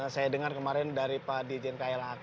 saya dengar kemarin dari pak dijen klhk